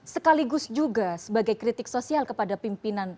sekaligus juga sebagai kritik sosial kepada pimpinan